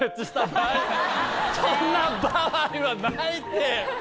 そんな場合はないって！